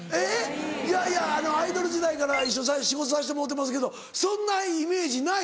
いやいやアイドル時代から一緒に仕事させてもろうてますけどそんなイメージない。